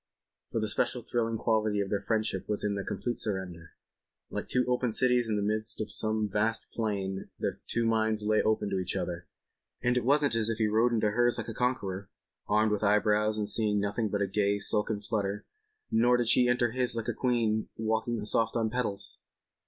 For the special thrilling quality of their friendship was in their complete surrender. Like two open cities in the midst of some vast plain their two minds lay open to each other. And it wasn't as if he rode into hers like a conqueror, armed to the eyebrows and seeing nothing but a gay silken flutter—nor did she enter his like a queen walking soft on petals.